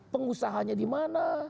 pengusahanya di mana